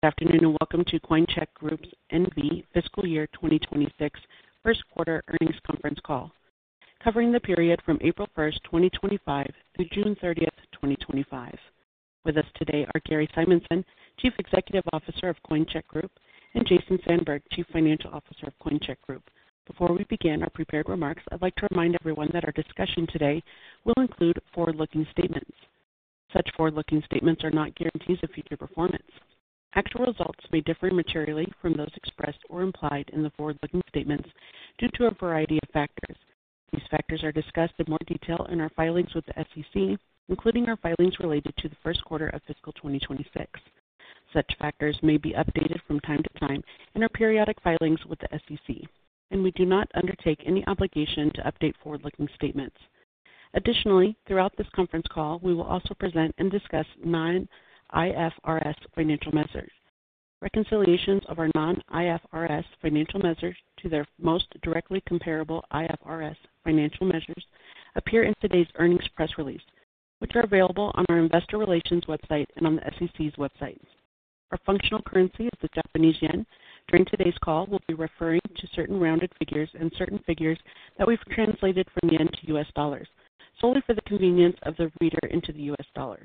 Good afternoon and welcome to Coincheck Group N.V.'s Fiscal Year 2026 First Quarter Earnings Conference Call, covering the period from April 1st, 2025 through June 30th, 2025. With us today are Gary Simanson, Chief Executive Officer of Coincheck Group., and Jason Sandberg, Chief Financial Officer of Coincheck Group. Before we begin our prepared remarks, I'd like to remind everyone that our discussion today will include forward-looking statements. Such forward-looking statements are not guarantees of future performance. Actual results may differ materially from those expressed or implied in the forward-looking statements due to a variety of factors. These factors are discussed in more detail in our filings with the SEC, including our filings related to the first quarter of fiscal 2026. These factors may be updated from time to time in our periodic filings with the SEC, and we do not undertake any obligation to update forward-looking statements. Additionally, throughout this conference call, we will also present and discuss non-IFRS financial measures. Reconciliations of our non-IFRS financial measures to their most directly comparable IFRS financial measures appear in today's earnings press release, which are available on our Investor Relations website and on the SEC's website. Our functional currency is the Japanese yen. During today's call, we'll be referring to certain rounded figures and certain figures that we've translated from yen to U.S. dollars, solely for the convenience of the reader into the U.S. dollar.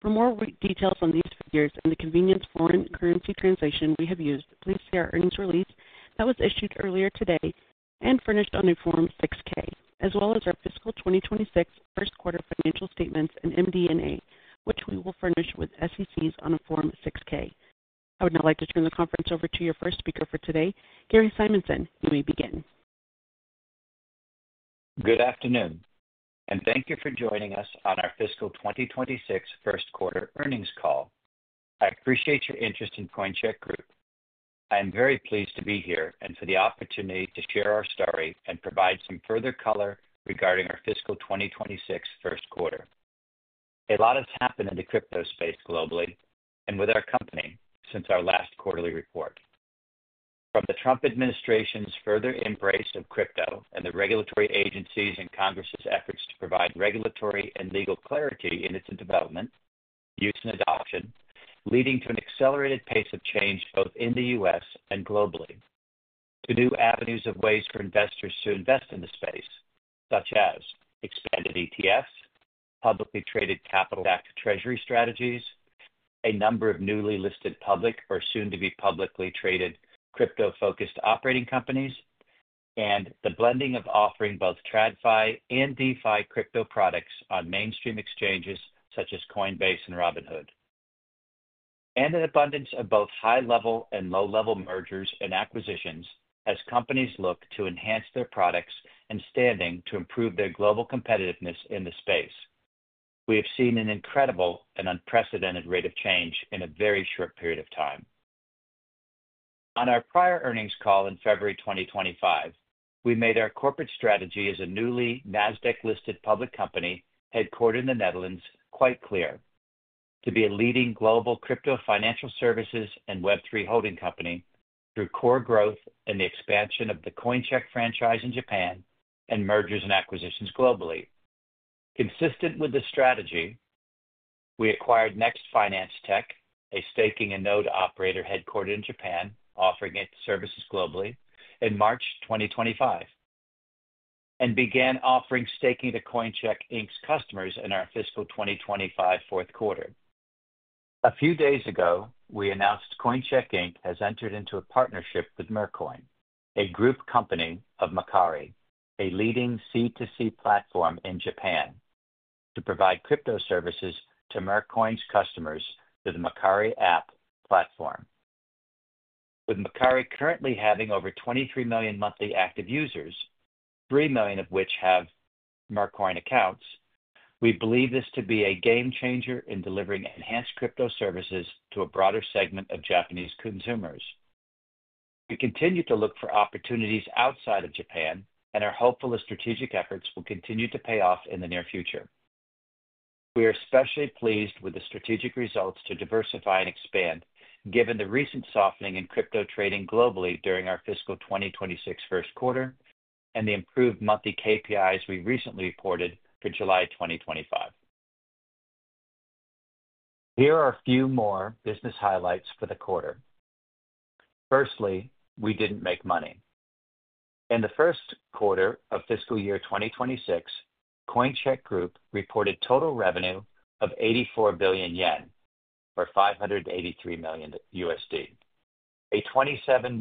For more details on these figures and the convenience foreign currency translation we have used, please see our earnings release that was issued earlier today and furnished on a Form 6-K, as well as our fiscal 2026 first quarter financial statements and MD&A, which we will furnish with the SEC on a Form 6-K. I would now like to turn the conference over to your first speaker for today, Gary Simanson, who may begin. Good afternoon, and thank you for joining us on our Fiscal 2026 First Quarter Earnings Call. I appreciate your interest in Coincheck Group. I am very pleased to be here and for the opportunity to share our story and provide some further color regarding our fiscal 2026 first quarter. A lot has happened in the crypto space globally and with our company since our last quarterly report. From the Trump administration's further embrace of crypto and the regulatory agencies and Congress's efforts to provide regulatory and legal clarity in its development, use, and adoption, leading to an accelerated pace of change both in the U.S. and globally. To new avenues of ways for investors to invest in the space, such as expanded ETFs, publicly traded capital-backed treasury strategies, a number of newly listed public or soon-to-be publicly traded crypto-focused operating companies, and the blending of offering both TradFi and DeFi crypto products on mainstream exchanges such as Coinbase and Robinhood, and an abundance of both high-level and low-level mergers and acquisitions as companies look to enhance their products and standing to improve their global competitiveness in the space. We have seen an incredible and unprecedented rate of change in a very short period of time. On our prior earnings call in February 2025, we made our corporate strategy as a newly Nasdaq-listed public company headquartered in the Netherlands quite clear: to be a leading global crypto financial services and Web3 holding company through core growth and the expansion of the Coincheck franchise in Japan and mergers and acquisitions globally. Consistent with the strategy, we acquired Next Finance Tech, a staking and node operator headquartered in Japan, offering its services globally in March 2025, and began offering staking to Coincheck Inc's customers in our fiscal 2025 fourth quarter. A few days ago, we announced Coincheck Inc has entered into a partnership with Mercoin, a group company of Mercari, a leading C2C platform in Japan, to provide crypto services to Mercoin's customers through the Mercari app platform. With Mercari currently having over 23 million monthly active users, 3 million of which have Mercoin. accounts, we believe this to be a game changer in delivering enhanced crypto services to a broader segment of Japanese consumers. We continue to look for opportunities outside of Japan and are hopeful that strategic efforts will continue to pay off in the near future. We are especially pleased with the strategic results to diversify and expand, given the recent softening in crypto trading globally during our fiscal 2026 first quarter and the improved monthly KPIs we recently reported for July 2025. Here are a few more business highlights for the quarter. Firstly, we didn't make money. In the first quarter of fiscal year 2026, Coincheck Group reported total revenue of 84 billion yen, or $583 million, a 27%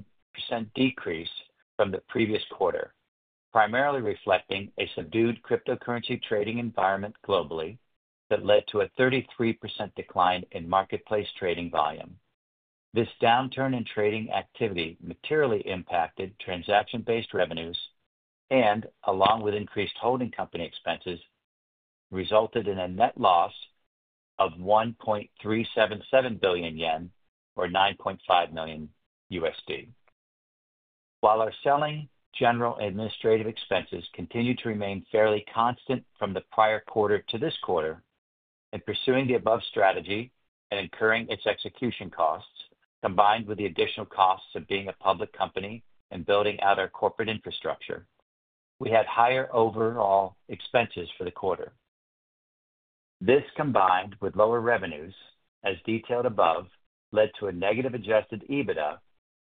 decrease from the previous quarter, primarily reflecting a subdued cryptocurrency trading environment globally that led to a 33% decline in marketplace trading volume. This downturn in trading activity materially impacted transaction-based revenues and, along with increased holding company expenses, resulted in a net loss of 1.377 billion yen, or $9.5 million. While our selling, general, and administrative expenses continue to remain fairly constant from the prior quarter to this quarter, in pursuing the above strategy and incurring its execution costs, combined with the additional costs of being a public company and building out our corporate infrastructure, we had higher overall expenses for the quarter. This, combined with lower revenues, as detailed above, led to a negative adjusted EBITDA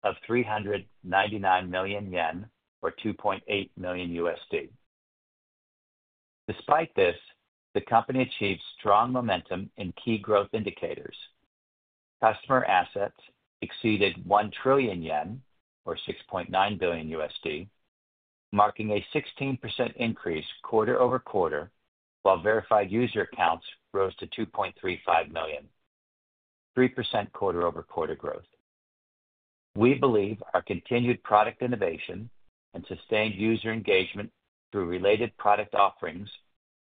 of 399 million yen, or $2.8 million. Despite this, the company achieved strong momentum in key growth indicators. Customer assets exceeded 1 trillion yen, or $6.9 billion, marking a 16% increase quarter-over-quarter, while verified user accounts rose to 2.35 million, 3% quarter-over-quarter growth. We believe our continued product innovation and sustained user engagement through related product offerings,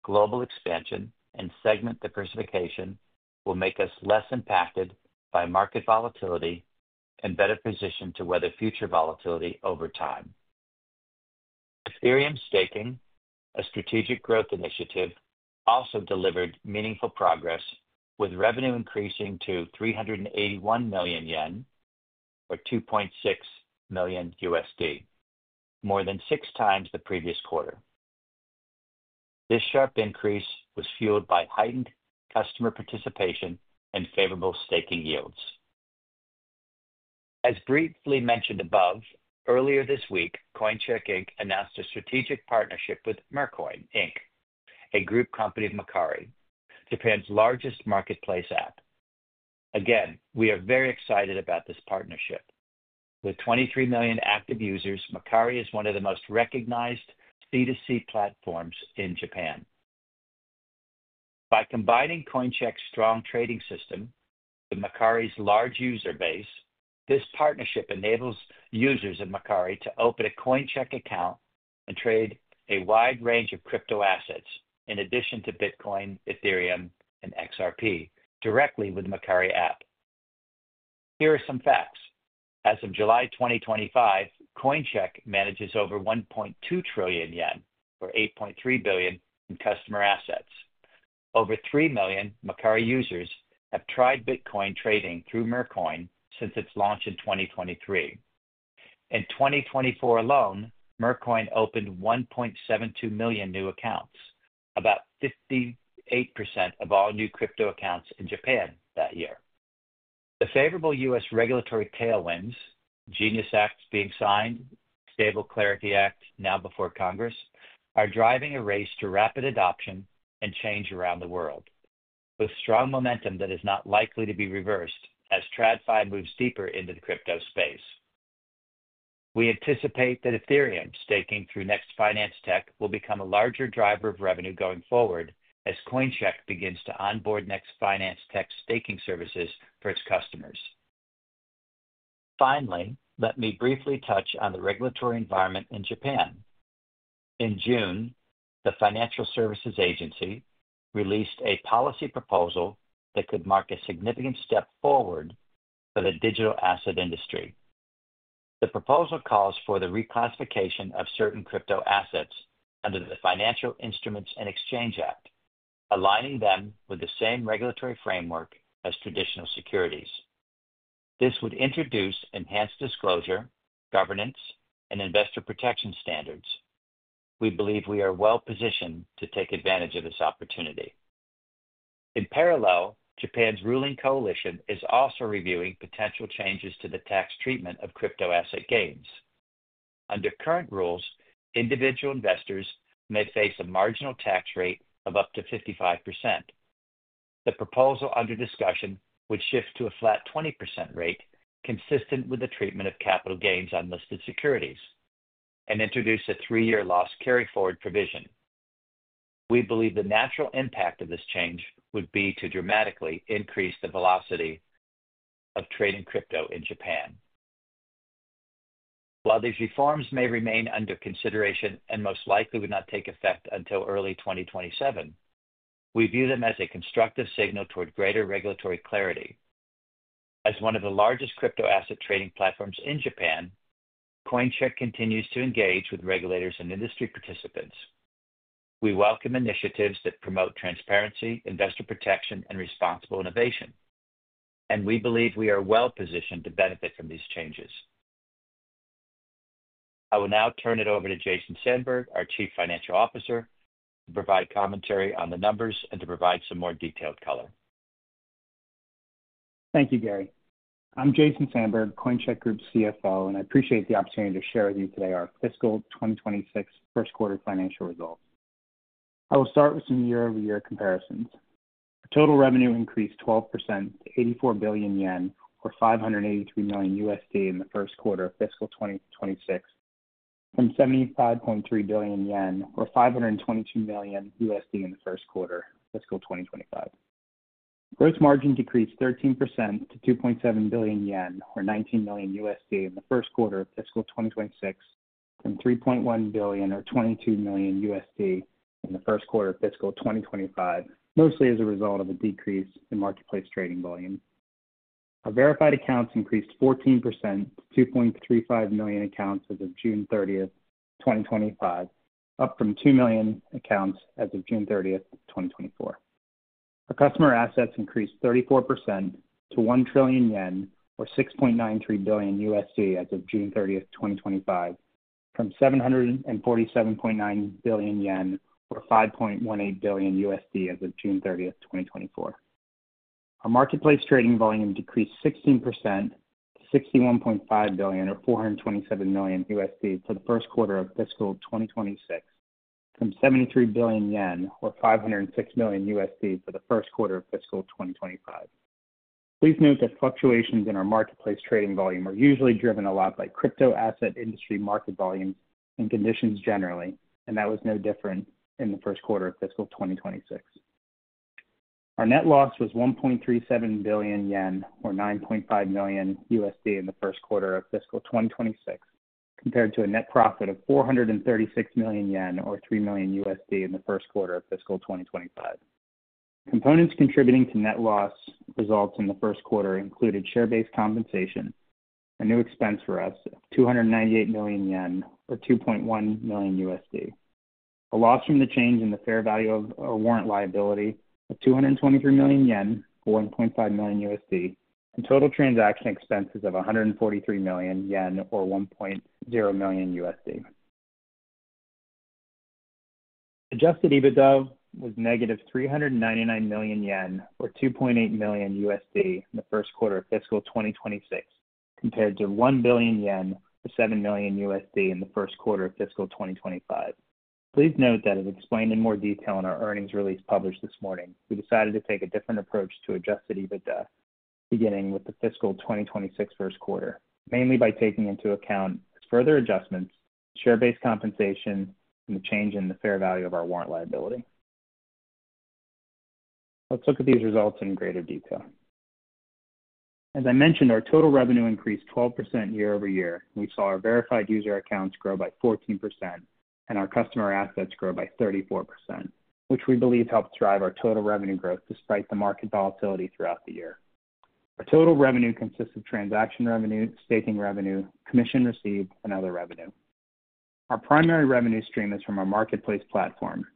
global expansion, and segment diversification will make us less impacted by market volatility and better positioned to weather future volatility over time. Ethereum staking, a strategic growth initiative, also delivered meaningful progress, with revenue increasing to 381 million yen, or $2.6 million, more than 6x the previous quarter. This sharp increase was fueled by heightened customer participation and favorable staking yields. As briefly mentioned above, earlier this week, Coincheck Inc. announced a strategic partnership with Mercoin Inc., a group company of Mercari, Japan's largest marketplace app. Again, we are very excited about this partnership. With 23 million active users, Mercari is one of the most recognized B2C platforms in Japan. By combining Coincheck's strong trading system with Mercari's large user base, this partnership enables users of Mercari to open a Coincheck account and trade a wide range of crypto assets in addition to Bitcoin, Ethereum, and XRP directly with the Mercari app. Here are some facts. As of July 2025, Coincheck manages over 1.2 trillion yen, or $8.3 billion, in customer assets. Over 3 million Mercari users have tried Bitcoin trading through Mercoin since its launch in 2023. In 2024 alone, Mercoin opened 1.72 million new accounts, about 58% of all new crypto accounts in Japan that year. The favorable U.S. regulatory tailwinds, Genius Act being signed, and the Stable Clarity Act now before Congress, are driving a race to rapid adoption and change around the world, with strong momentum that is not likely to be reversed as TradFi moves deeper into the crypto space. We anticipate that Ethereum staking through Next Finance Tech will become a larger driver of revenue going forward as Coincheck begins to onboard Next Finance Tech's staking services for its customers. Finally, let me briefly touch on the regulatory environment in Japan. In June, the Financial Services Agency released a policy proposal that could mark a significant step forward for the digital asset industry. The proposal calls for the reclassification of certain crypto assets under the Financial Instruments and Exchange Act, aligning them with the same regulatory framework as traditional securities. This would introduce enhanced disclosure, governance, and investor protection standards. We believe we are well positioned to take advantage of this opportunity. In parallel, Japan's ruling coalition is also reviewing potential changes to the tax treatment of crypto asset gains. Under current rules, individual investors may face a marginal tax rate of up to 55%. The proposal under discussion would shift to a flat 20% rate, consistent with the treatment of capital gains on listed securities, and introduce a three-year loss carryforward provision. We believe the natural impact of this change would be to dramatically increase the velocity of trading crypto in Japan. While these reforms may remain under consideration and most likely would not take effect until early 2027, we view them as a constructive signal toward greater regulatory clarity. As one of the largest crypto asset trading platforms in Japan, Coincheck continues to engage with regulators and industry participants. We welcome initiatives that promote transparency, investor protection, and responsible innovation, and we believe we are well positioned to benefit from these changes. I will now turn it over to Jason Sandberg, our Chief Financial Officer, to provide commentary on the numbers and to provide some more detailed color. Thank you, Gary. I'm Jason Sandberg, Coincheck Group's CFO, and I appreciate the opportunity to share with you today our fiscal 2026 first quarter financial results. I will start with some year-over-year comparisons. The total revenue increased 12% to 84 billion yen, or $583 million in the first quarter of fiscal 2026, from JPY 75.3 billion, or $522 million in the first quarter of fiscal 2025. Gross margin decreased 13% to 2.7 billion yen, or $19 million in the first quarter of fiscal 2026, from 3.1 billion, or $22 million in the first quarter of fiscal 2025, mostly as a result of a decrease in marketplace trading volume. Our verified user accounts increased 14% to 2.35 million accounts as of June 30th, 2025, up from 2 million accounts as of June 30th, 2024. Our customer assets increased 34% to 1 trillion yen, or $6.93 billion as of June 30th, 2025, from 747.9 billion yen, or $5.18 billion as of June 30th, 2024. Our marketplace trading volume decreased 16% to 61.5 billion, or $427 million for the first quarter of fiscal 2026, from JPY 73 billion, or $506 million for the first quarter of fiscal 2025. Please note that fluctuations in our marketplace trading volume are usually driven a lot by crypto asset industry market volume and conditions generally, and that was no different in the first quarter of fiscal 2026. Our net loss was 1.37 billion yen, or $9.5 million in the first quarter of fiscal 2026, compared to a net profit of 436 million yen, or $3 million in the first quarter of fiscal 2025. Components contributing to net loss results in the first quarter included share-based compensation, a new expense for us of 298 million yen, or $2.1 million, a loss from the change in the fair value of a warrant liability of 223 million yen, or $1.5 million, and total transaction expenses of 143 million yen, or $1.0 million. Adjusted EBITDA was -399 million yen, or $2.8 million in the first quarter of fiscal 2026, compared to JPY 1 billion, or $7 million in the first quarter of fiscal 2025. Please note that, as explained in more detail in our earnings release published this morning, we decided to take a different approach to adjusted EBITDA, beginning with the fiscal 2026 first quarter, mainly by taking into account further adjustments, share-based compensation, and the change in the fair value of our warrant liability. Let's look at these results in greater detail. As I mentioned, our total revenue increased 12% year-over-year. We saw our verified user accounts grow by 14%, and our customer assets grow by 34%, which we believe helped drive our total revenue growth despite the market volatility throughout the year. Our total revenue consists of transaction revenue, staking revenue, commission received, and other revenue. Our primary revenue stream is from our marketplace platform,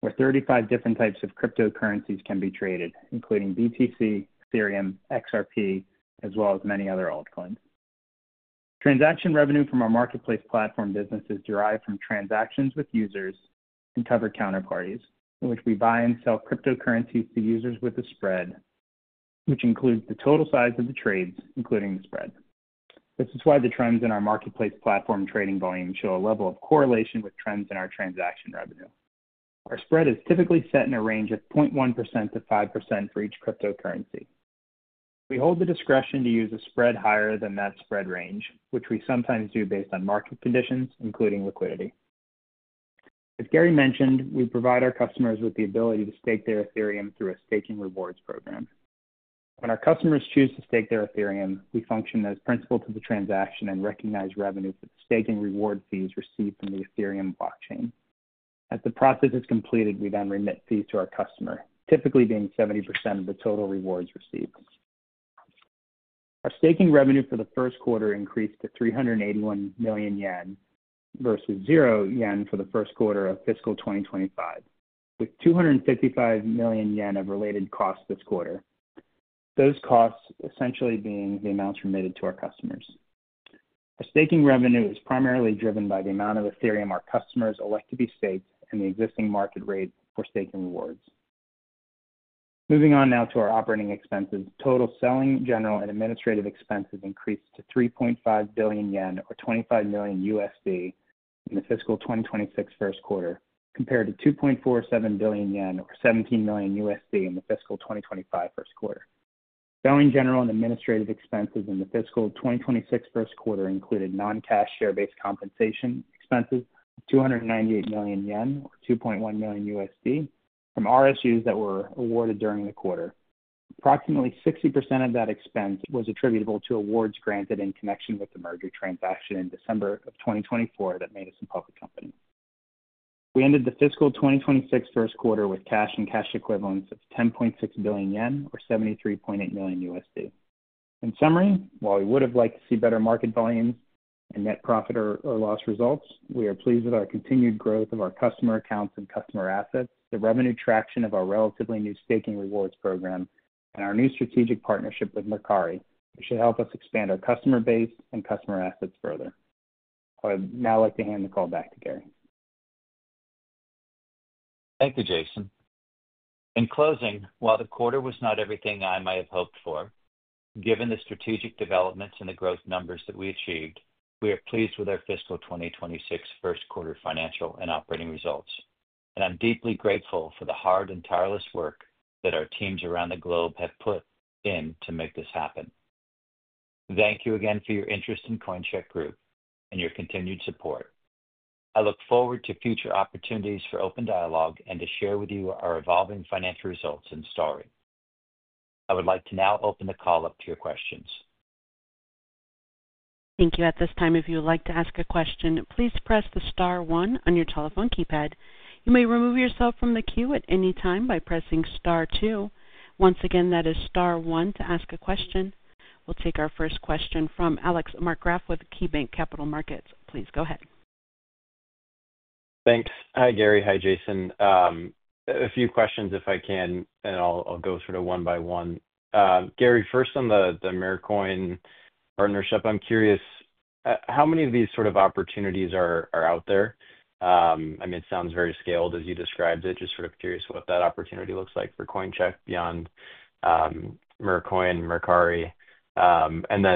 where 35 different types of cryptocurrencies can be traded, including BTC, Ethereum, XRP, as well as many other altcoins. Transaction revenue from our marketplace platform businesses derive from transactions with users and cover counterparties, in which we buy and sell cryptocurrencies to users with a spread, which includes the total size of the trades, including the spread. This is why the trends in our marketplace platform trading volume show a level of correlation with trends in our transaction revenue. Our spread is typically set in a range of 0.1%-5% for each cryptocurrency. We hold the discretion to use a spread higher than that spread range, which we sometimes do based on market conditions, including liquidity. As Gary mentioned, we provide our customers with the ability to stake their Ethereum through a staking rewards program. When our customers choose to stake their Ethereum, we function as principal to the transaction and recognize revenue for the staking reward fees received from the Ethereum blockchain. As the process is completed, we then remit fees to our customer, typically being 70% of the total rewards received. Our staking revenue for the first quarter increased to 381 million yen versus 0 yen for the first quarter of fiscal 2025, with 255 million yen of related costs this quarter, those costs essentially being the amounts remitted to our customers. Our staking revenue is primarily driven by the amount of Ethereum our customers elect to be staked and the existing market rate for staking rewards. Moving on now to our operating expenses, total selling, general, and administrative expenses increased to 3.5 billion yen, or $25 million, in the fiscal 2026 first quarter, compared to 2.47 billion yen, or $17 million, in the fiscal 2025 first quarter. Selling, general, and administrative expenses in the fiscal 2026 first quarter included non-cash share-based compensation expenses of 298 million yen, or $2.1 million, from RSUs that were awarded during the quarter. Approximately 60% of that expense was attributable to awards granted in connection with the merger transaction in December of 2024 that made us a public company. We ended the fiscal 2026 first quarter with cash and cash equivalents of 10.6 billion yen or $73.8 million. In summary, while we would have liked to see better market volume and net profit or loss results, we are pleased with our continued growth of our customer accounts and customer assets, the revenue traction of our relatively new staking rewards program, and our new strategic partnership with Mercari, which should help us expand our customer base and customer assets further. I would now like to hand the call back to Gary. Thank you, Jason. In closing, while the quarter was not everything I might have hoped for, given the strategic developments and the growth numbers that we achieved, we are pleased with our fiscal 2026 first quarter financial and operating results. I am deeply grateful for the hard and tireless work that our teams around the globe have put in to make this happen. Thank you again for your interest in Coincheck Group and your continued support. I look forward to future opportunities for open dialogue and to share with you our evolving financial results and story. I would like to now open the call up to your questions. Thank you. At this time, if you would like to ask a question, please press the star one on your telephone keypad. You may remove yourself from the queue at any time by pressing star two. Once again, that is star one to ask a question. We'll take our first question from Alex Markgraff with KeyBanc Capital Markets. Please go ahead. Thanks. Hi, Gary. Hi, Jason. A few questions if I can, and I'll go sort of one by one. Gary, first on the Mercoin partnership, I'm curious how many of these sort of opportunities are out there. I mean, it sounds very scaled as you described it. Just curious what that opportunity looks like for Coincheck Group beyond Mercoin and Mercari.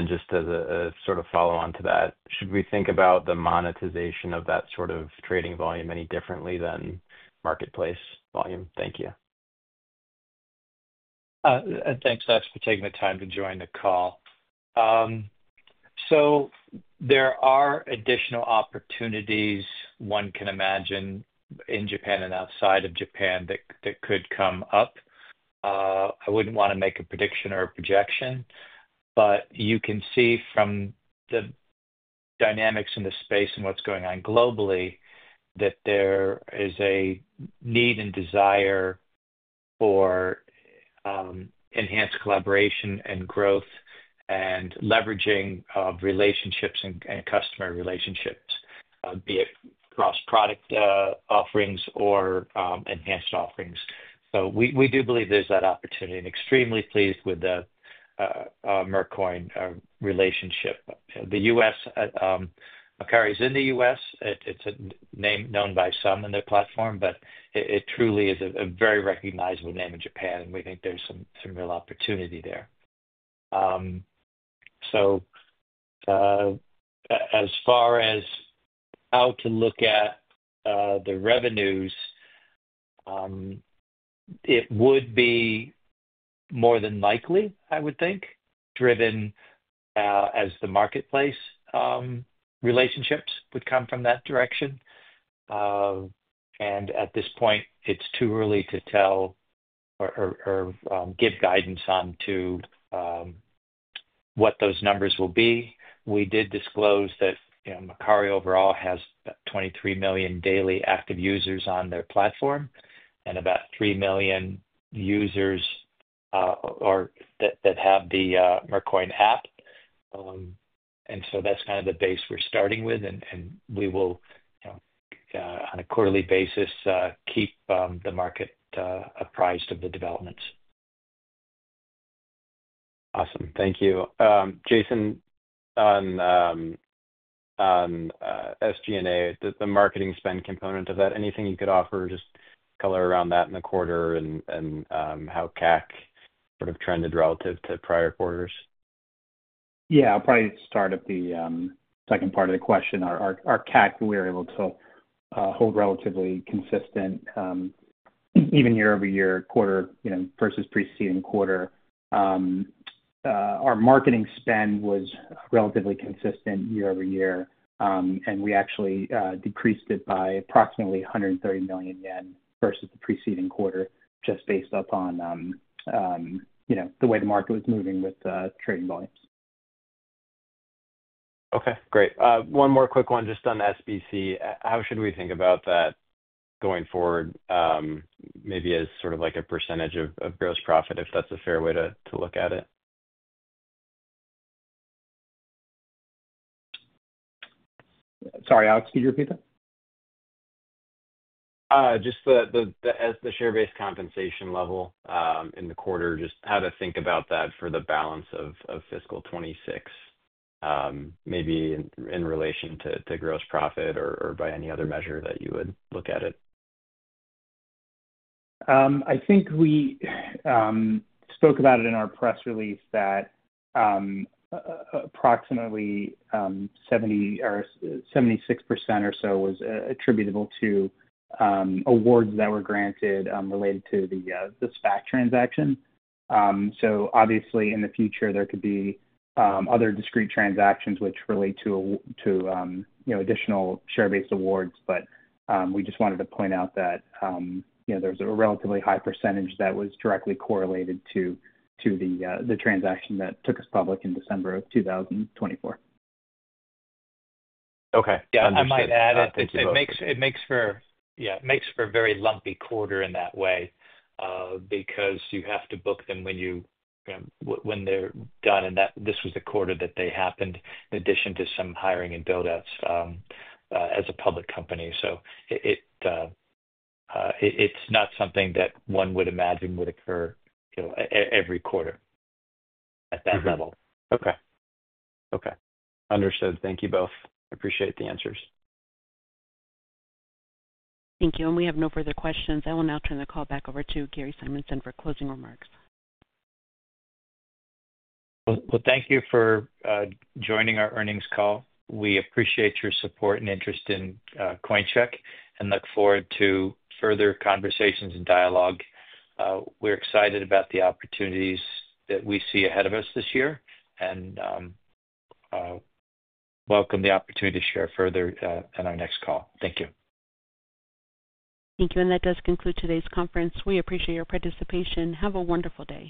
Just as a follow-on to that, should we think about the monetization of that sort of trading volume any differently than Marketplace volume? Thank you. Thanks, Alex, for taking the time to join the call. There are additional opportunities one can imagine in Japan and outside of Japan that could come up. I wouldn't want to make a prediction or a projection, but you can see from the dynamics in the space and what's going on globally that there is a need and desire for enhanced collaboration and growth and leveraging of relationships and customer relationships, be it cross-product offerings or enhanced offerings. We do believe there's that opportunity and are extremely pleased with the Mercoin relationship. The U.S., Mercari is in the U.S. It's a name known by some in the platform, but it truly is a very recognizable name in Japan, and we think there's some real opportunity there. As far as how to look at the revenues, it would be more than likely, I would think, driven as the marketplace relationships would come from that direction. At this point, it's too early to tell or give guidance on what those numbers will be. We did disclose that Mercari overall has about 23 million daily active users on their platform and about 3 million users that have the Mercoin app. That's kind of the base we're starting with, and we will, on a quarterly basis, keep the market apprised of the developments. Awesome. Thank you. Jason, on SG&A, the marketing spend component of that, anything you could offer or just color around that in the quarter and how CAC sort of trended relative to prior quarters? I'll probably start at the second part of the question. Our CAC, we were able to hold relatively consistent even year-over-year quarter versus preceding quarter. Our marketing spend was relatively consistent year-over-year, and we actually decreased it by approximately 130 million yen versus the preceding quarter just based upon the way the market was moving with the trading volumes. Okay, great. One more quick one just on SBC. How should we think about that going forward, maybe as sort of like a percentage of gross profit, if that's a fair way to look at it? Sorry, Alex, could you repeat that? Just the share-based compensation level in the quarter, just how to think about that for the balance of fiscal 2026, maybe in relation to gross profit or by any other measure that you would look at it. I think we spoke about it in our press release that approximately 76% or so was attributable to awards that were granted related to this back transaction. Obviously, in the future, there could be other discrete transactions which relate to additional share-based awards, but we just wanted to point out that there was a relatively high percentage that was directly correlated to the transaction that took us public in December of 2024. Okay. I might add it. It makes for a very lumpy quarter in that way because you have to book them when they're done, and this was the quarter that they happened in addition to some hiring and build-outs as a public company. It's not something that one would imagine would occur every quarter at that level. Okay. Okay. Understood. Thank you both. I appreciate the answers. Thank you. We have no further questions. I will now turn the call back over to Gary Simanson for closing remarks. Thank you for joining our earnings call. We appreciate your support and interest in Coincheck Group and look forward to further conversations and dialogue. We're excited about the opportunities that we see ahead of us this year and welcome the opportunity to share further in our next call. Thank you. Thank you. That does conclude today's conference. We appreciate your participation. Have a wonderful day.